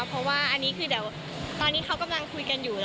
เพราะว่าอันนี้คือเดี๋ยวตอนนี้เขากำลังคุยกันอยู่